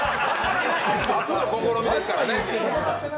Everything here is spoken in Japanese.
初の試みですからね。